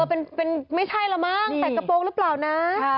เป็นไม่ใช่แล้วมั้งใส่กระโปรงหรือเปล่านะ